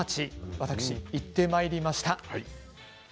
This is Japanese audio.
私、行ってまいりました。